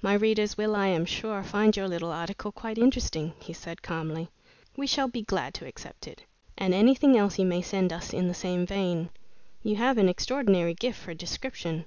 "My readers will, I am sure, find your little article quite interesting," he said calmly. "We shall be glad to accept it, and anything else you may send us in the same vein. You have an extraordinary gift for description."